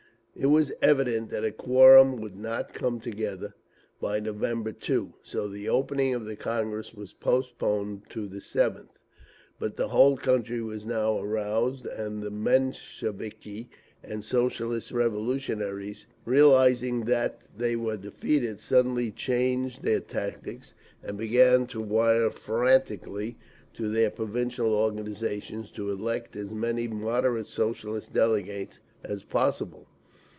It was evident that a quorum would not come together by November 2, so the opening of the Congress was postponed to the 7th. But the whole country was now aroused; and the Mensheviki and Socialist Revolutionaries, realising that they were defeated, suddenly changed their tactics and began to wire frantically to their provincial organisations to elect as many "moderate" Socialist delegates as possible.